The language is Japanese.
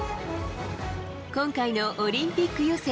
今回のオリンピック予選。